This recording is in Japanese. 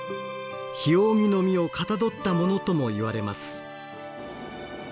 「ひおうぎ」の実をかたどったものともいわれます。